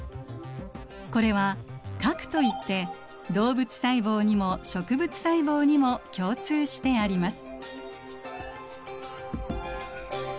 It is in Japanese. これは核といって動物細胞にも植物細胞にも共通してあります。